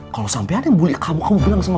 kalau sampai ada yang mulia kamu kamu bilang sama